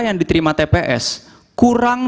yang diterima tps kurang